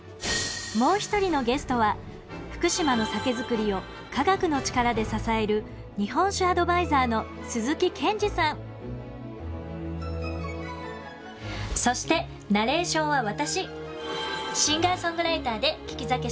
もう一人のゲストは福島の酒造りを科学の力で支えるそしてナレーションは私